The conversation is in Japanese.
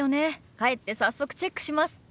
帰って早速チェックします。